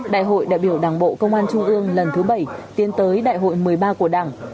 đại hội đại biểu đảng bộ công an trung ương lần thứ bảy tiến tới đại hội một mươi ba của đảng